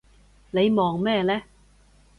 你望咩呢？